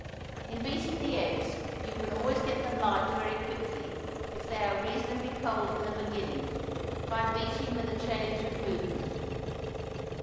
In beating the eggs you can always get them light very quickly, if they are reasonably cold in the beginning, by beating with a change of movement.